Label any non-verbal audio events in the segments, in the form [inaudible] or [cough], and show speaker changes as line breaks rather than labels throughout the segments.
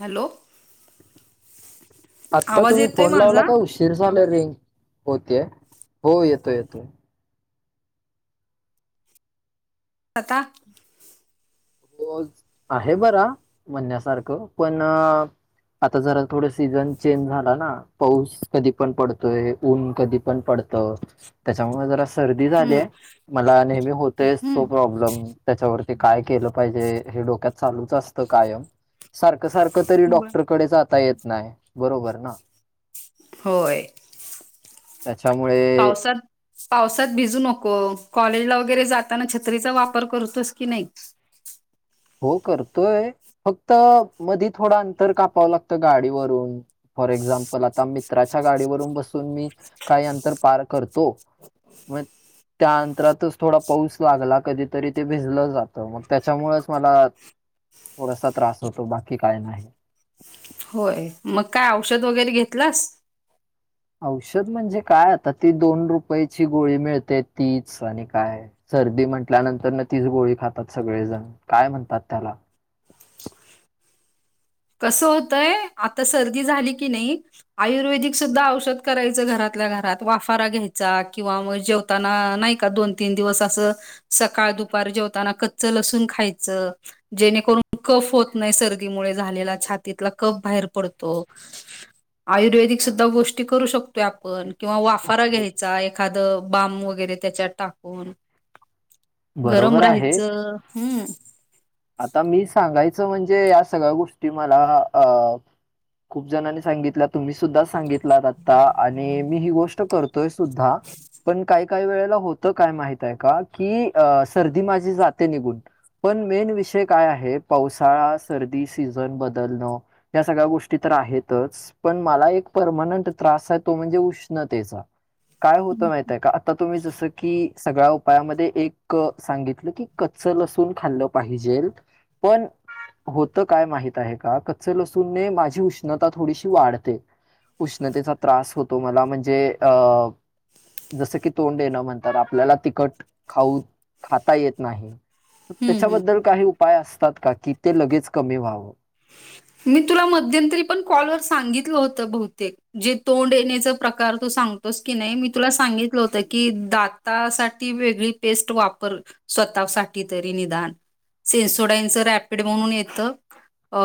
Hello,
आता
आवाज
तुम्ही
येतोय
फोन
माझा
लावला का उशी शिरसाले रिंग [inaudible] होतेय हो येतो येतोय
तता
बोल आहे बरा [inaudible] म्हणण्यासारखं पण आता जरा थोडं सीझन चेंज झाला ना पाऊस कधी पण पडतोय ऊन कधी पण पडत, त त्याच्यामुळे जरा सर्दी झाली
हम्म
[inaudible] मला नेहमी होतय तो
हम्म
प्रॉब्लेम त्याच्यावरती काय केलं. पाहिजे हे डोक्यात चालूच असतं कायम सारखं सारखं तरी
बर
डॉक्टरकडे जाता येत नाही बरोबर ना
होय ये [inaudible]
त्याच्यामुळे
पावसात. पावसात भिजू नको कॉलेजला वगैरे जाताना छत्रीचा वापर करतोस की नाही
हो करतोय फक्त मधी थोडं अंतर कापावं लागतं गाडीवरून फॉर एक्झाम्पल आता मित्राच्या गाडीवरून बसून मी काही अंतर पार करतो. [unintelligible] त्या अंतरातच थोडा पाऊस लागला कधीतरी ते भिजलं जातं मग त्याच्यामुळेच. मला थोडासा त्रास होतो बाकी काय नाही.
होय मग काय औषध वगैरे घेतलस
औषध म्हणजे काय आता ती दोन रुपयाची गोळी मिळते तीच आणि काय सर्दी म्हटल्यानंतर न तीच गोळी खातात सगळेजण काय म्हणतात त्याला.
कसं होतंय आता सर्दी झाली की नाही. आयुर्वेदिक सुद्धा औषध करायचं घरातल्या घरात वाफारा घ्यायचा किंवा म जेव ताना नाही का दोन तीन दिवस असं सकाळ दुपार जेवताना कच्च लसूण खायचं जेणेकरून कफ होत नाही सर्दीमुळे झालेला छातीतला कफ बाहेर पडतो. [unintelligible] आयुर्वेदिक सुुद्धा गोष्टी करू शकतोय आपण किंवा वाफारा घ्यायचा एखादं बाम वगैरे त्याच्यात टाकू. हंण [inaudible] गरम
बरोबर आहे
राहायचं हंम,
आता मी सांगायचं म्हणजे या सगळ्या गोष्टी मला अ खूप जणांनी सांगितल तुम्ही सुद्धा सांगितलात आता आणि मी ही गोष्ट करतोय सुद्धा पण काय? काही वेळेला होता का माहित आहे का की सर्दी माझी जाती निघून पण मेन विष. छे काय आहे पावसाळा सर्दी सीझन बदलणं, या सगळ्या गोष्टी तर आहेतच, पण मला एक परमानट त्रास आहे तो म्हणजे उष्णतेचा काय होत माहित आहे का? आता तुम्ही जसं की सगळ्या उपायामध्ये एक सांगितलं की कच्च लसूून खाल्लं पाहिजे जेल पण होत काय माहित आहे का कच्च लसूणे माझी उष्णता थोडीशी वाढते. उष्णतेचा त्रास होतो मला म्हणजे अ जसं की तोंड येणं म्हणंताआपल्याला तिखट खाऊ खाता येत नाही
हम्म हम्म.
त्याच्याबद्दल काही उपाय असतात का की ते लगेच कमी व्हावं
मी तुला मध्यंतरी पण कॉलवर सांगितलं होतं बहुतेक जे तोंड येण्याचा प्रकार तू सांगतोस की नाही मी तुला सांगितलं होतं की दात दा साठी वेगळी पेस्ट वापर स्वतः साठी तरी निदान सेनसोडाईनचं रॅपिड म्हणून येतं अ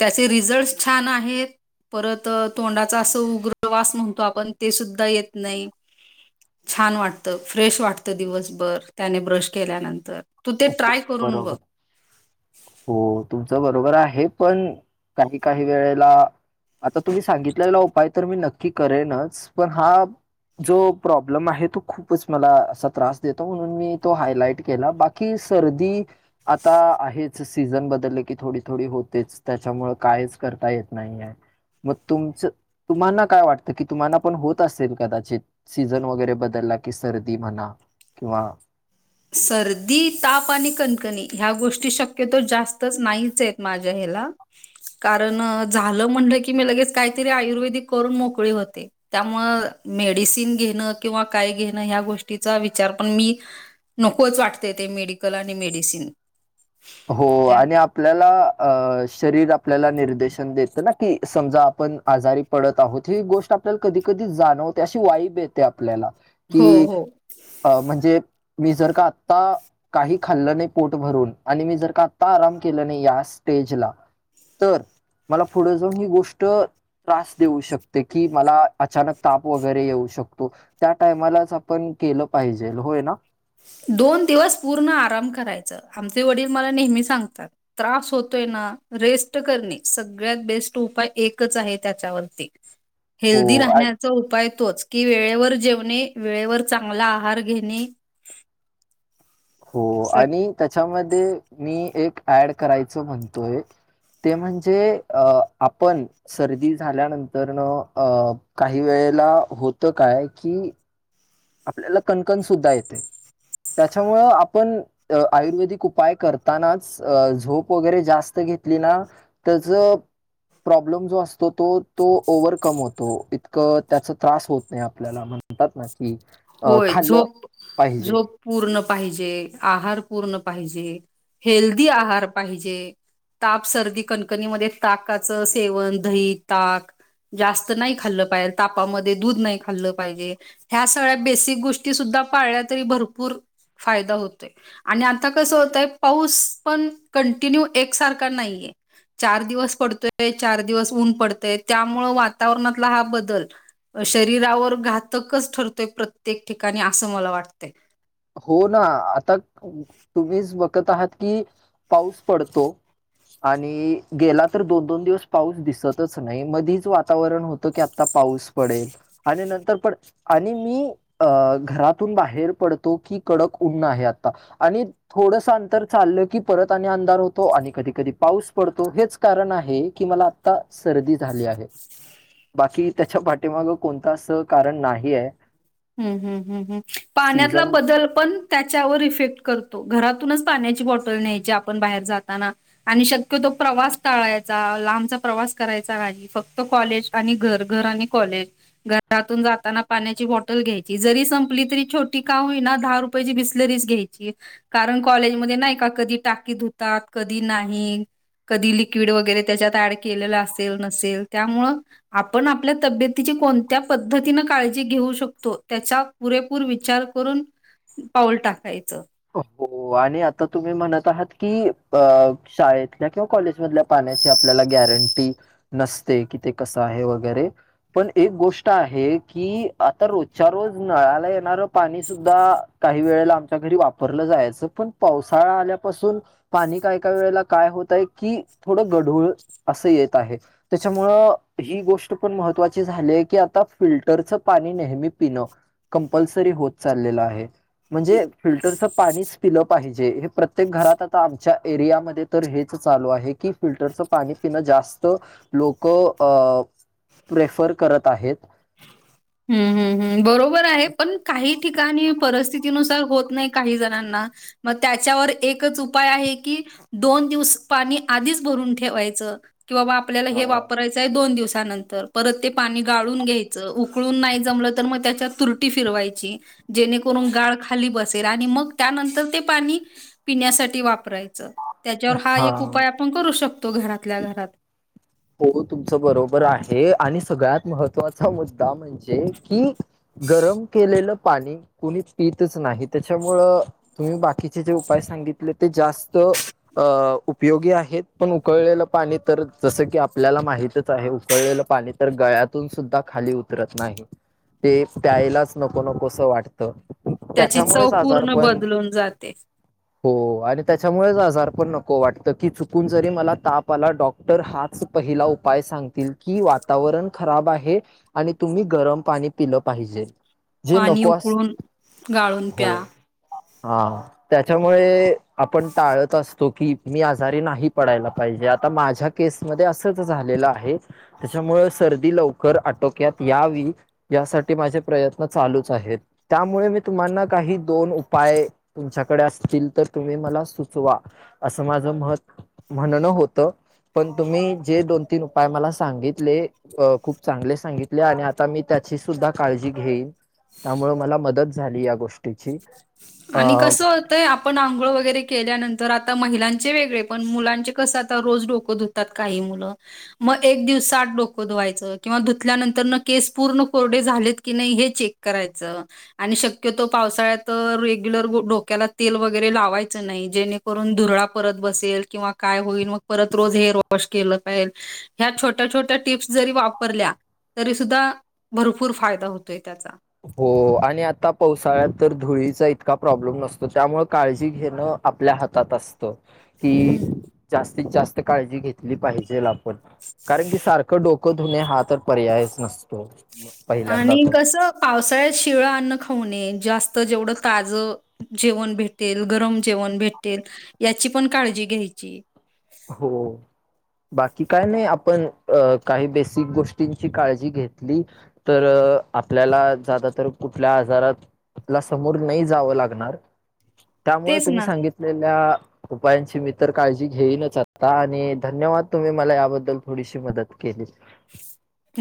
त्याचे रिझल्टस छान आहेत. परत तोंडाचा असं उग्रवास म्हणतो आपण ते सुद्धा येत नाही. छान वाटत फ्रेश वाटतं दिवसभर त्याने ब्रश केल्यानंतर. तू ते
हो
ट्राय करून बघ
बरोबर हो तुमचं बरोबर आहे पण काही काही वेळेला आता तुम्ही सांगितलेला उपाय तर मी नक्की करेनच पण हा जो प्रॉब्लेम आहे तो खूपच मला असा त्रास देतो, म्हणून मी तो हायलाईट केला बाकी की सर्दी आता आहेच सीझन बदलले की थोडी थोडी होतेच त्याच्यामुंळ कायच करता येत नाहीये. मग तुमच तुम्हाना काय वाटतं की तुम्हाना पण होत असेल कदाचित. सीझन वगैरे बदलला की सर्दी म्हणा किंवा-
सर्दी ताप आणि कणकणी ह्या गोष्टी शक्यतो जास्तच नाहीच आहेत माझ्या ह्याला कारण झालं म्हणलं की मी लगेच काहीतरी आयुर्वेदिक करून मोकळी होते. त्यामुळ मेडिसिन घेणं किंवा काय घेणं ह्या गोष्टीचा विचार पण मी नकोच वाटते ते मेडिकल आणि मेडिसिन.
हो
त्या
आणि आप - आपल्याला अ शरीर आपल्याला निर्देशन देत ना कि समजा आपण- आजारी पडत आहोत ही गोष्ट आपल्याला कधी कधी जाणवते, अशी वाईब येते आपल्याला
हो
कि
हो.
अ म्हणजे मी जर का आत्ता काही खाल्लं नाही पोट भरून- आणि मी जर का आता आराम केला नाही या स्टेजला, तर, मला पुढे जाऊन ही गोष्ट त्रास देऊ शकते कि मला अचानक ताप वगैरे येऊ शकतो. त्या टायमालाच आपण केलं पाहिजे होय ना?
दोन दिवस पूर्ण आराम करायचं आमचे वडील मला नेहमी सांगतात त्रास होतोय ना रेस्ट करणे सगळ्यात बेस्ट उपाय एकच आहे त्याच्यावरती. हेल्दी
हो. आ
राहण्याचा उपाय तोच की वेळेवर जेवणे, वेळेवर चांगला आहार घेणे.
हो
स
आणि त्याच्यामध्ये मी एक ऍड करायचं म्हणतोय- ते म्हणजे अ आपण, सर्दी झाल्यानंतर न अ काही वेळेला होतं काय की- आपल्याला कणकणसद्धा येते त्याच्यामुळं आपण- अ आयुर्वेदिक उपाय करतानाच झोप वगैरे जास्त घेतली ना- त्याचं प्रॉब्लेम जो असतो तो तो ओवर्हकम होतो इतकं त्याचा त्रास होत नाही आपल्याला मग. म्हणतात ना कि अ
होय
खाल्लं
झोप
पाहिजे.
झोप पूर्ण पाहिजे, आहार पूर्ण पाहिजे, हेल्दी आहार पाहिजे. ताप सर्दी कणकणीमध्ये ताकाचं सेवन, दही, ताक. जास्त नाही खाल्लं पाहिजे तापामध्ये दूध नाही खाल्लं पाहिजे. ह्या सगळ्या बेसिक गोष्टी सुद्धा पाळल्या तरी भरपूर फायदा होतोय. आणि आता कसं होतय पाऊस पण कंटिन्यू एकसारखा नाहीये. चार दिवस पडतोय चार दिवस ऊन पडतय त्यामुंळ वातावरणातला हा बदल. शरीरावर घातकच ठरतोय प्रत्येक ठिकाणी असं मला वाटतय.
हो ना, आता तुम्हीच बघत आहात की पाऊस पडतो. आणि गेला तर दोन, दोन दिवस पाऊस दिसतच नाही मधीच वातावरण होतं की आता पाऊस पडेल, आणि नंतर प आणि मी अ घरातून बाहेर पड तो की कडक उन आहे आता आणि- थोडस अंतर चाललं की परत आणि अंधार होतो. आणि कधी कधी पाऊस पडतो हेच कारण आहे की मला- आता सर्दी झाली आहे. बाकी त्याच्या पाठीमाग कोणता अस कारण नाहीये.
हम् हम् हम् हम् पाण्यातला
सीझन
बदल पण त्याच्यावर इफेक्ट करतो घरातूनच पाण्याची बॉटल न्यायची आपण बाहेर जाताना. आणि शक्य तो प्रवास टाळायचा लांबचा प्रवास करायचा काजी फक्त कॉलेज आणि घर घर आणि कॉलेज घरातून जाताना. पाण्याची बॉ ल घ्यायची जरी संपली तरी छोटी का होईना दहा रुपयाची बिसलरीच घ्याय कारण कॉलेजमध्ये नाही. का कधी टाकी धुतात कधी नाही कधी लिक्विड वगैरे त्याच्यात ऍड केलेलं असेल नसेल त्यामुळं आपण आपल्या तब्येतीची कोणत्या पद्धतीन काळजी घेऊ शकतो. तो त्याचा पुरेपूर विचार करून पाऊल टाकायचं
हो आणि आता तुम्ही म्हणत आहात की शाळेतल्या किंवा कॉलेजमधल्या पाण्याची आपल्याला गॅरंटी नसते. कि ते कसं आहे वगैरे पण एक गोष्ट आहे की आता रोजच्या रोज नळाला येणारं पाणी सुद्धा काही वेळेला आमच्या घरी वापरलं जायचं पण पावसाळा आल्यापासून पाणी का एका वेळेला काय होत. आहे की थोडं गढूळ असं येत आहे त्याच्यामुळं ही गोष्ट पण महत्त्वाची झालीय की आता फिल्टरचं पाणी नेहमी पिणं कंपल्सरी होत चाललेला आहे. म्हणजे फिल्टरच पाणीच पिलं पाहिजे हे प्रत्येक घरात आता आमच्या एरियामध्ये तर हेच चालू आहे. की फिल्टरचं पाणी पिणं जास्त लोक प्रेफर करत आहेत.
हम् हम् हम् बरोबर आहे पण काही ठिकाणी परिस्थितीनुसार होत नाही काही जणांना मग त्याच्यावर एकच उपाय आहे की दोन दिवस पाणी आधीच भरून ठेवायचं कि बाबा आपल्याला हे
हा
वापरायचं आहे. दोन दिवसानंतर परत ते पाणी गाळून घ्यायचं उळून नाही जमलं. तर मग त्याच्या तुरटी फिरवायची जेणेकरून गाळ खाली बसेल. आणि मग त्यानंतर ते पाणी पिण्यासाठी वापरायचं त्याच्यावर हा एक उपाय आपण करू शकतो घरातल्या घरात
हो तुमचं बरोबर आहे आणि सगळ्यात महत्त्वाचा मुद्दा म्हणजे की गरम केलेलं पाणी कोणीच पितच नाही. त्याच्यामुळं तुम्ही बाकीचे जे उपाय सांगितले ते जास्त अ उपयोगी आहेत पण उकळलेलं पाणी तर जसं की आपल्याला माहितच आहे. उकळलेलं पाणी तर गळ्यातून सुद्धा खाली उतरत नाही. ते प्यायलाच नको नकोसं वाटतं.
त्याची चव
त्याच्यामुळेच
पूर्ण
आजारपण
बदलून जाते.
हो आणि त्याच्यामुळेच आजार पण नको वाटत की चुकून जरी मला तापला डॉक्टर हात पहिला उपाय सांगतील की वातावरण खराब आहे. आणि तुम्ही गरम पाणी पिलं पाहिजे. जे
पाणी
नकोस
उकळून गाळून
हो
प्या.
हा त्याच्यामुळे आपण टाळत असतो की मी आजारी नाही पडायला पाहिजे आता माझ्या केस मध्ये असंच झालेलं आहे त्याच्यामुळे सर्दी लवकर आटोक्यात यावी यासाठी माझे प्रयत्न चालूच आहेत त्यामुळे मी तुम्हाना काही दोन उपाय तुमच्याकडे असतील तर तुम्ही मला सुचवा असं माझं मत म्हणणं होतं पण तुम्ही जे दोन तीन उपाय मला सांगितले. अ खूप चांगले सांगितले आणि आता मी त्याची सुद्धा काळजी घेईन त्यामुळेळ मला मदत झाली. या गोष्टीची
आणि
अ
कसं हो आपण आंघोळ वगैरे केल्यानंतर आता महिलांचे वेगळे पण मुलांचे कसं आता रोज डोकत होत. धुतात काही मुलं मग एक दिवसठ डोकं धुवायचं किंवा धुतल्यानंतर केस पूर्ण कोरडे झालेत. की नाही हे चेक करायच आणि शक्यतो पावसाळ्यात रेगुलर डोक्याला तेल वगैरे लावायचं नाही जेणेकरून धुराळा परत बसेल किंवा काय होईल मग परत रोज हेअर वॉश केलं पाहिजे ह्या छोट्या छोट्या टिप्स जरी वापरल्या तरी सुद्धा भरपूर फायदा होतोय त्याचा
हो आणि आता पावसाळ्यात तर धुळीचा इतका प्रॉब्लेम नसतो त्यामुळे काळजी घेणं आपल्या हातात असत कि
हम्म
जास्तीत जास्त काळजी घेतली पाहिजेल आपण कारण की सारखं डोकं धुणे हा तर पर्यायच नसतो पहिल्यांदा
आणि
तर
कसं पावसाळ्यात शिळं अन्न खाऊणे जास्त जेवढं ताजं जेवण भेटेल गरम जेवण भेटेल याची पण काळजी घ्यायची
हो बाकी काय नाही आपण अ काही बेसिक गोष्टींची काळजी घेतली तर आपल्याला जात तर कुठल्या आजारात आपला समोर नाही जावं लागणार त्यामुळे
तेच
तुम्ही
ना.
सांगितलेल्या उपायांची मी तर काळजी घे न ता आणि धन्यवाद तुम्ही मला याबद्दल थोडीशी मदत केली
ह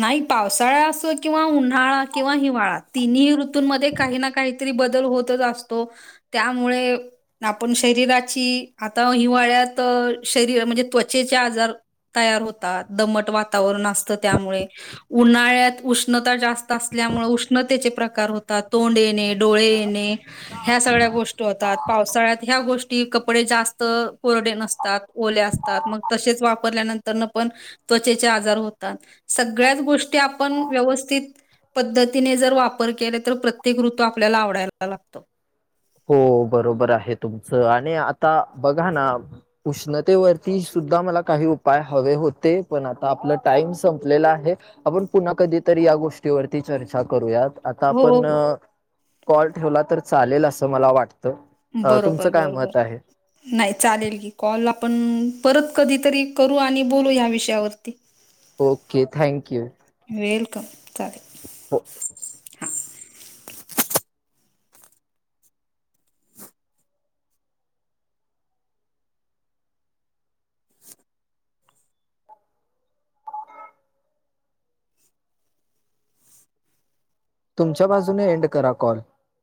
नाही पावसाळा असो किंवा उन्हाळा किंवा हिवाळा तिन्ही ऋतूंमध्ये काही ना काही बदल होतच असतो त्यामुळे आपण शरीराची आता हिवाळ्यात शरीर म्हणजे त्वचेचे आजार तयार होतात दमट वातावरण असतं त्यामुळे उन्हाळ्यात उष्णता जास्त असल्यामुळे उष्णतेचे प्रकार होतात तोंड येणे डोळे येणे ह्या सगळ्या गोष्टी त पावसाळ्यात ह्या गोष्टी कपडे जास्त कोरडे नसतात ओले असतात मग तसेच वापरल्यानंतर पण त्वचेचे आजार हो सगळ्याच गोष्टी आपण व्यवस्थित पद्धतीने जर वापर केला तर प्रत्येक ऋतू आपल्याला आवडायला लागतो
हो बरोबर आहे तुमचं आणि आता बघा ना उष्णतेवरती सुद्धा मला काही उपाय हवे होते पण आता आपला टाइम संपलेला आहे आपण पुन्हा कधीतरी या गोष्टीवरती चर्चा करूयात आता
हो,
आपण
हो.
कॉल ठेवला तर चालेल असं मला वाटतं अ तुमचं
बरोबर,
काय
बरोबर.
मत आहे
नाही चालेल की कॉल आपण परत कधीतरी करू आणि बोलू या्या विषयावरती ह
ओके थँक्यू
वेलकम
हो तुमच्या बाजूने एंड करा कॉल